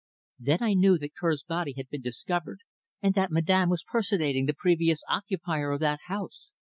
Then I knew that Kerr's body had been discovered, and that Madame was personating the previous occupier of that house.